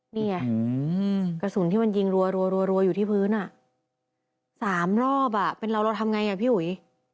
นี่ไงกระสุนที่มันยิงรัวอยู่ที่พื้น๓รอบเป็นเราเราทำไงอ่ะพี่อุ๋ย